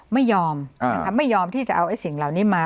ไม่ยอมไม่ยอมที่จะเอาสิ่งเหล่านี้มา